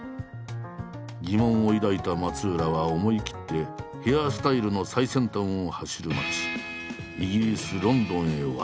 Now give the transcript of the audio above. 疑問を抱いた松浦は思い切ってヘアスタイルの最先端を走る街イギリスロンドンへ渡った。